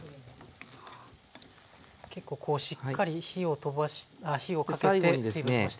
結構しっかり火をかけて水分とばして。